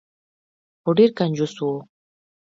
خو ډیر کنجوس و.